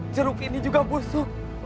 jeruk ini juga busuk